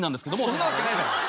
そんなわけないだろう。